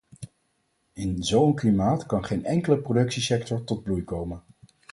In zo'n klimaat kan geen enkele productiesector tot bloei komen.